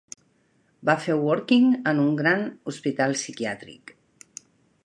Va fer "Working" en un gran hospital psiquiàtric.